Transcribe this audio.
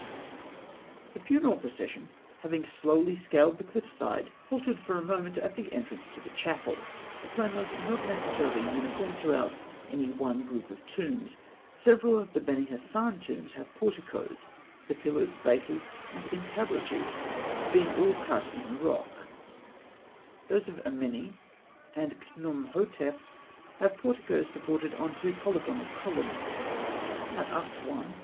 ] The funeral procession, having slowly scaled the cliff side, halted for a moment at the entrance to the chapel. The plan was not necessarily uniform throughout any one group of tombs. Several of the Beni Hasan tombs have porticoes, the pillars, bases, and entablatures being all cut in the rock; those of Ameni and Khnûmhotep have porticoes supported on two polygonal columns (fig. 151). At Asûan (fig.